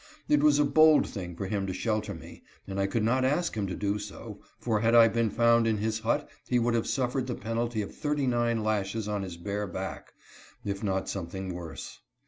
It was a bold thing for him to shelter me, and I could not ask him to do so, for had I been found in his hut he would have suffered the penalty of thirty nine lashes on his bare back, if not something worse.